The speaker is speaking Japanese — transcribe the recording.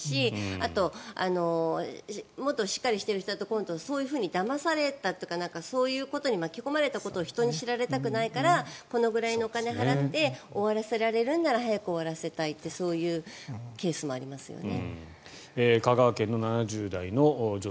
あともっとしっかりしている人だとだまされたとかそういうことに巻き込まれたことを人に知られたくないからこのぐらいのお金を払って終わらせるなら早く終わらせたいというケースもありますよね。